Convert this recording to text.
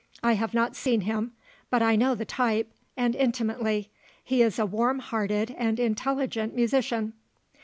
I have not seen him; but I know the type and intimately. He is a warm hearted and intelligent musician."